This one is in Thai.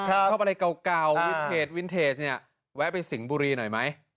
ครับเข้าไปอะไรเก่าวินเทจนี่แวะไปสิงห์บุรีหน่อยไหม